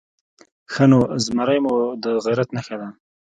_ښه نو، زمری مو د غيرت نښه ده؟